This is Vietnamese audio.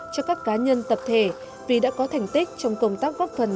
cho các cá nhân tập thể vì đã có thành tích trong công tác góp phần